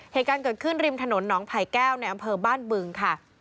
เหตุการณ์เกิดขึ้นริมถนนหนองไผ่แก้วในอำเภอบ้านบึงค่ะ